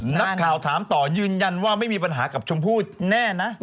นักข่าวถามต่อยืนยันว่าไม่มีปัญหากับชมพู่แน่นะ